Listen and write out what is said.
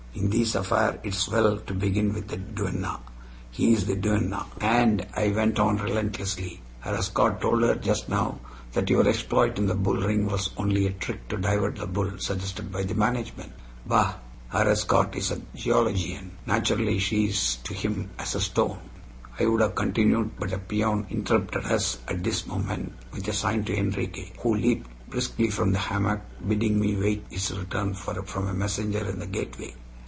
In thees affair it is well to begin with the duenna. He is the duenna." "And," I went on relentlessly, "her escort told her just now that your exploit in the bull ring was only a trick to divert the bull, suggested by the management." "Bah! her escort is a geologian. Naturally, she is to him as a stone." I would have continued, but a peon interrupted us at this moment with a sign to Enriquez, who leaped briskly from the hammock, bidding me wait his return from a messenger in the gateway.